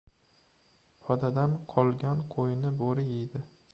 • Podadan qolgan qo‘yni bo‘ri yeydi.